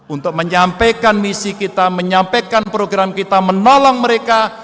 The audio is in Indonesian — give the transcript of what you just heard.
untuk menyampaikan misi kita menyampaikan program kita menolong mereka